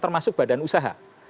termasuk badan usaha